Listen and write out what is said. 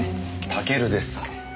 「たける」です。